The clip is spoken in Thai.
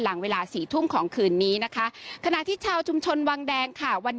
หลังเวลาสี่ทุ่มของคืนนี้นะคะขณะที่ชาวชุมชนวังแดงค่ะวันนี้